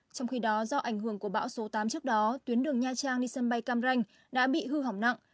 trong khi đó do ảnh hưởng của bão số tám trước đó tuyến đường nha trang đi sân bay cam ranh đã bị hư hỏng nặng